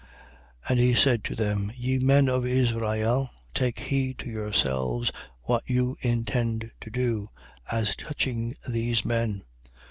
5:35. And he said to them: Ye men of Israel, take heed to yourselves what you intend to do, as touching these men.